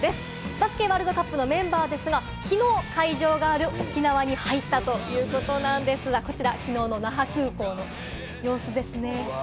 バスケワールドカップのメンバーですが、きのう会場がある沖縄に入ったということなんですが、こちら、きのうの那覇空港の様子ですね。